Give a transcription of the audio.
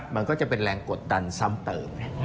มันก็จะเป็นแรงกดดันซ้ำเติม